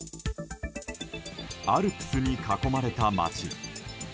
アルプスに囲まれた町。